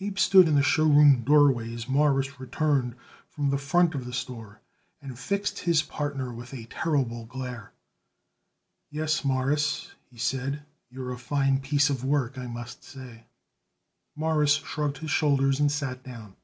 Abe stood in the show room doorway as Morris returned from the front of the store and fixed his partner with a terrible glare. "Yes, Mawruss," he said, "you're a fine piece of work, I must say." Morris shrugged his shoulders and sat down.